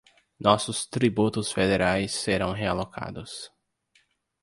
Nossos tributos federais serão realocados